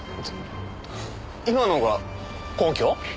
今のが根拠？